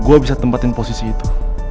gue bisa tempatin posisi itu